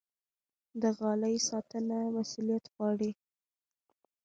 د غالۍ ساتنه مسوولیت غواړي.